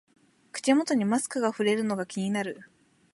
口元にマスクがふれるのが気になる